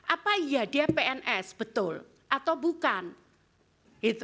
apa iya dia pns betul atau bukan gitu jadi itu salah satu kenapa di dua ribu dua puluh tiga itu